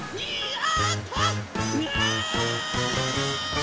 あ！